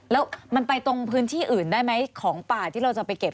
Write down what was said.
แล้วมันไปตรงพื้นที่อื่นได้ไหมของป่าที่เราจะไปเก็บ